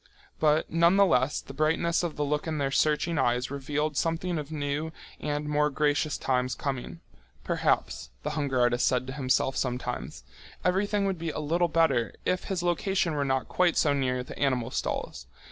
But nonetheless the brightness of the look in their searching eyes revealed something of new and more gracious times coming. Perhaps, the hunger artist said to himself sometimes, everything would be a little better if his location were not quite so near the animal stalls.